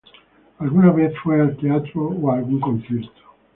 Alguna vez fue al teatro o a algún concierto.